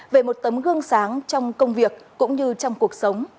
về một tấm gương sáng trong công việc cũng như trong cuộc sống